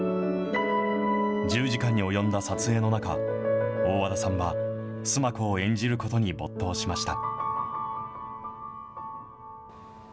１０時間に及んだ撮影の中、大和田さんは、須磨子を演じることに没頭しました。